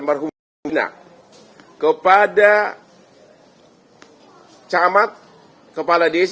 desa banjarwangun kecamatan mundu kabupaten cirebon